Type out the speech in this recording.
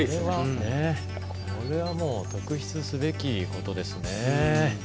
これは特筆すべきことですね。